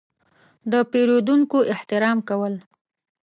– د پېرودونکو احترام کول.